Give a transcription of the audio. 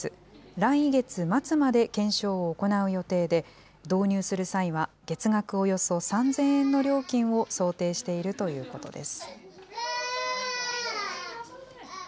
来月末まで検証を行う予定で、導入する際は月額およそ３０００円の料金を想定しているということです。